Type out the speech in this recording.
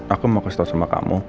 aku mau kasih tau sama kamu